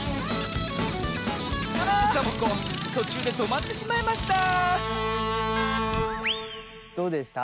サボ子とちゅうでとまってしまいましたどうでした？